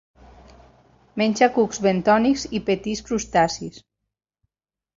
Menja cucs bentònics i petits crustacis.